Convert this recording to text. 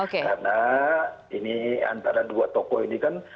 karena ini antara dua tokoh ini kan